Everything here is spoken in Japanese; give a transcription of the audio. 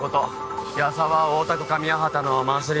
ヤサは大田区上八幡のマンスリー